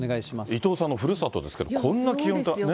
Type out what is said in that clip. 伊藤さんのふるさとですけど、こんな気温ってね。